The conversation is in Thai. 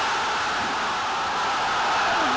สวัสดีครับ